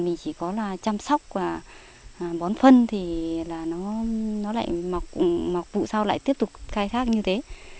mình chỉ có là chăm sóc và bón phân thì là nó lại mọc vụ sau lại tiếp tục khai thác như thế